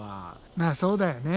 まあそうだよね。